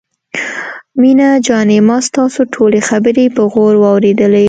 مينه جانې ما ستاسو ټولې خبرې په غور واورېدلې.